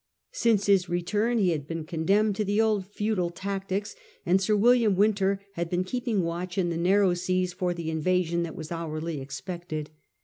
Since his return he had been condemned to the old futile tactics, and with Sir William Wynter had been keeping watch in the narrow seas for the invasion that was hourly expected.